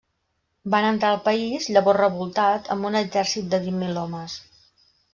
Van entrar al país, llavors revoltat, amb un exèrcit de vint mil homes.